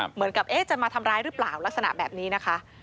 เหมือนกับจะมาทำร้ายหรือเปล่าลักษณะแบบนี้นะคะ